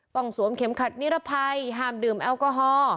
สวมเข็มขัดนิรภัยห้ามดื่มแอลกอฮอล์